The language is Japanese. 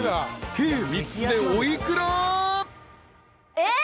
計３つでお幾ら？］